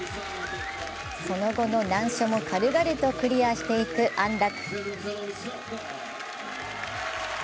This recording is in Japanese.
その後の難所も軽々とクリアしていく安楽。